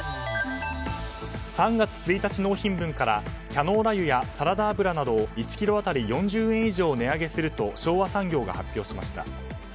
３月１日納品分からキャノーラ油やサラダ油など１ｋｇ当たり４０円以上値上げすると昭和産業が発表しました。